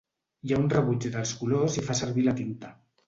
Hi ha un rebuig dels colors i fa servir la tinta.